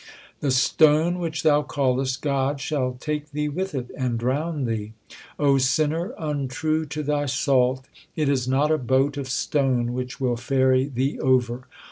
The stone which thou callest God Shall take thee with it and drown thee. O sinner, untrue to thy salt, It is not a boat of stone which will ferry thee over.